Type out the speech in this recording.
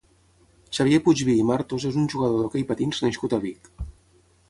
Xavier Puigbí i Martos és un jugador d'hoquei patins nascut a Vic.